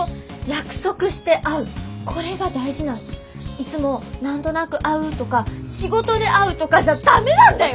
いつも何となく会うとか仕事で会うとかじゃ駄目なんだよ！